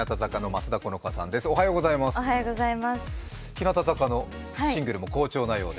日向坂のシングルも好調なようで。